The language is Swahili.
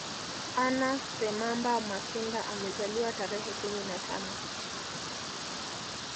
Anna Semamba Makinda amezaliwa tarehe kumi na tano